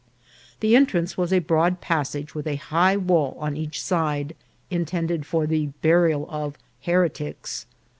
The entrance was by a broad passage with a high wall on each side, intended for the burial of " her A BURIAL PLACE. 133 «tics."